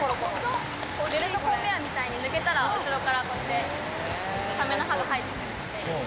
ベルトコンベアみたいに抜けたら後からサメの歯が生えてくるんで。